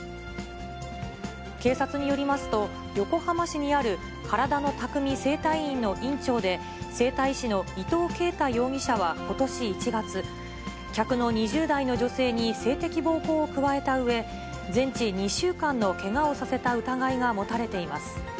警察によりますと、横浜市にある、からだの匠整体院の院長で、整体師の伊藤恵太容疑者はことし１月、客の２０代の女性に性的暴行を加えたうえ、全治２週間のけがをさせた疑いが持たれています。